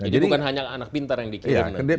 jadi bukan hanya anak pintar yang dikirim